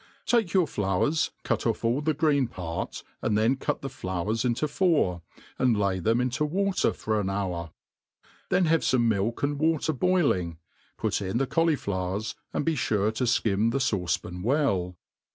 TAKE your floWers, cut olF all the green part, and then cut the flowers into four, and lay them into water for an hour : then have fome milk and water boiling, put in the cauli flowers, and be fure to (kirn the fauce pan well.